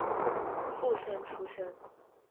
附生出身。